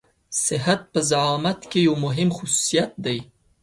صحت په زعامت کې يو مهم خصوصيت دی.